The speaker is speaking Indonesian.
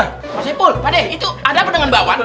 mas ipul pak d itu ada apa dengan bakwan